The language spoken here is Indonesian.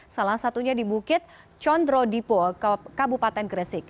salah satunya di bukit condro dipo kabupaten gresik